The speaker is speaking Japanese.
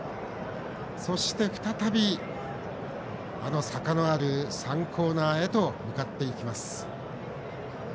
そして、再び、あの坂のある３コーナーへと向かっていきます。